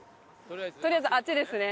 とりあえずあっちですね。